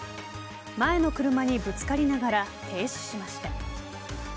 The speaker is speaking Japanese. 前の車にぶつかりながら停止しました。